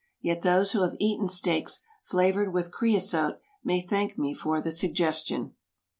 Yet those who have eaten steaks flavored with creosote may thank me for the suggestion.